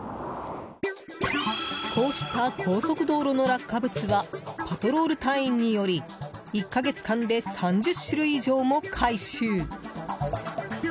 こうした高速道路の落下物はパトロール隊員により１か月間で３０種類以上も回収。